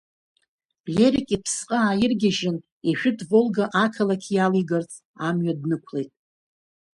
Лерик иԥсҟы ааиргьежьын, ижәытә Волга ақалақь иалигарц, амҩа днықәлеит.